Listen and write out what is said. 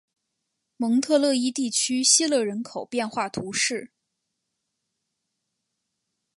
蒙特勒伊地区希勒人口变化图示